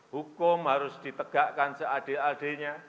hukum harus ditegakkan seadil adilnya